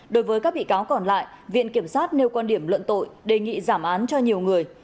đối với các bị cáo còn lại viện kiểm sát nêu quan điểm luận tội đề nghị giảm án cho nhiều người